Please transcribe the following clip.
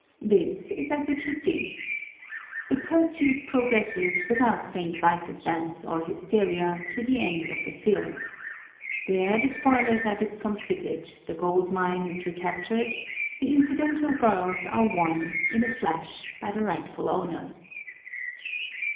This is as it should be. The pursuit progresses without St. Vitus dance or hysteria to the end of the film. There the spoilers are discomfited, the gold mine is recaptured, the incidental girls are won, in a flash, by the rightful owners.